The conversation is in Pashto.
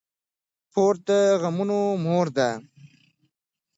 پور د غمونو مور ده.